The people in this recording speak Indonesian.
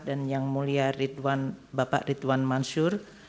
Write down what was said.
dan yang mulia bapak ridwan mansur